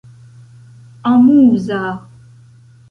amuza